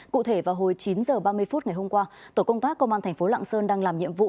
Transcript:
cụ thể vào hồi chín h ba mươi phút ngày hôm qua tổ công tác công an thành phố lạng sơn đang làm nhiệm vụ